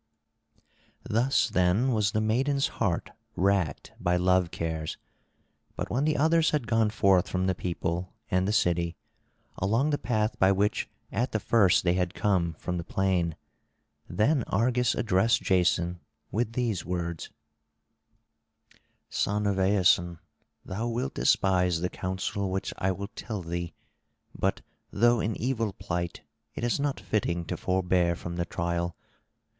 Thus then was the maiden's heart racked by love cares. But when the others had gone forth from the people and the city, along the path by which at the first they had come from the plain, then Argus addressed Jason with these words: "Son of Aeson, thou wilt despise the counsel which I will tell thee, but, though in evil plight, it is not fitting to forbear from the trial.